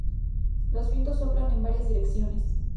Los vientos soplan en varias direcciones.